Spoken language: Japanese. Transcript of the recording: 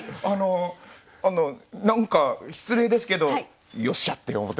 あの何か失礼ですけど「よっしゃ！」って思ってます。